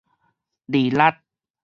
離力